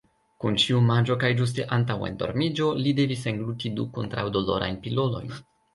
Kun ĉiu manĝo kaj ĝuste antaŭ endormiĝo, li devis engluti du kontraŭ-dolorajn pilolojn.